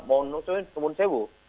mau nunggu nunggu kemunsewuh